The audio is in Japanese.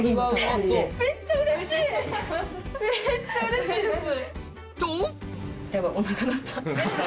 めっちゃうれしいです。とヤバい。